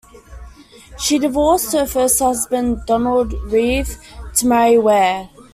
She divorced her first husband, Donald Reeve, to marry Weir.